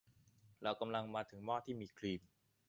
เรากำลังมาถึงหม้อที่มีครีม